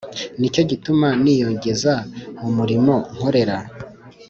Ni cyo gituma niyogeza mu murimo nkorera